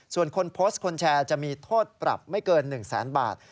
ส่วนคนโพสต์คนแชร์จะมีโทษปรับไม่เกิน๑แสนบาท